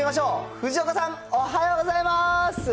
藤岡さん、おはようございます。